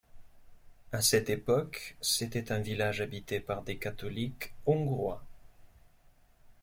À cette époque, c'était un village habité par des catholiques hongrois.